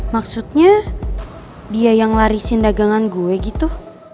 maksudnya dia yang larisin dagangan gue gitu